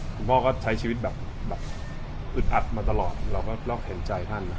คุณพ่อก็ใช้ชีวิตแบบอึดอัดมาตลอดเราก็ลอกเห็นใจท่าน